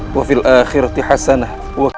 wafil akhiratih hasanah